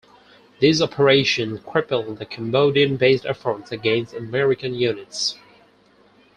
This operation crippled the Cambodian-based efforts against American units.